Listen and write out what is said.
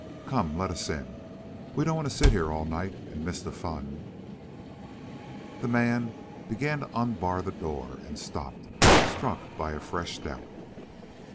Come, let us in; we don't want to sit here all night and miss the fun." The man began to unbar the door, and stopped, struck by a fresh doubt.